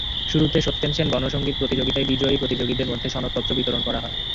শুরুতে সত্যেন সেন গণসংগীত প্রতিযোগিতায় বিজয়ী প্রতিযোগীদের মধ্যে সনদপত্র বিতরণ করা হয়।